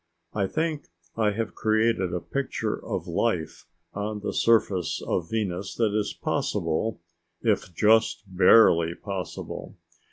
I think I have created a picture of life on the surface of Venus that is possible, if just barely possible.